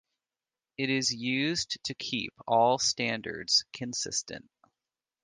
It is used to keep all standards consistent.